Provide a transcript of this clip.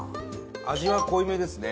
味は濃いめですね。